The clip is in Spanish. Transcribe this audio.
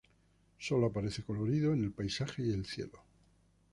Solo aparece colorido en el paisaje y el cielo.